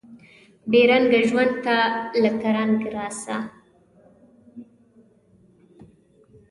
بې رنګه ژوند ته لکه رنګ راسه